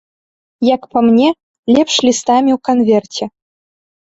Як па мне, лепш лістамі ў канверце.